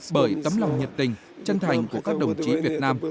bởi tấm lòng nhiệt tình chân thành của các đồng chí việt nam